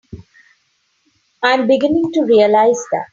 I'm beginning to realize that.